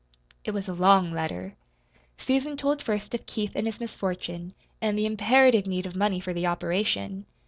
It was a long letter. Susan told first of Keith and his misfortune, and the imperative need of money for the operation.